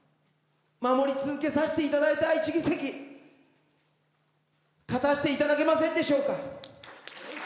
守り続けさせていただいた１議席、勝たせていただけませんでしょうか。